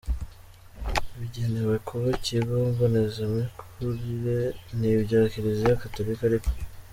bigenewe kuba ikigo mbonezamikurire. Ni ibya Kiliziya Gatolika ariko